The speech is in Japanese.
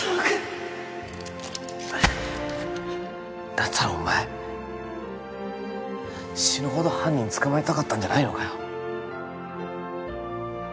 だったらお前死ぬほど犯人捕まえたかったんじゃないのかよ